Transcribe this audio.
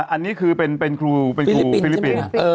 อันนี้คือพี่ฟิลิปปินด์